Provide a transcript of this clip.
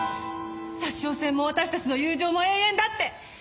札沼線も私たちの友情も永遠だって！